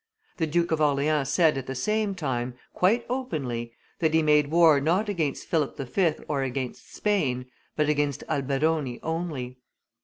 The Duke of Orleans said, at the same time, quite openly, that he made war not against Philip V. or against Spain, but against Alberoni only.